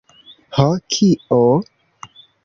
Ho kio?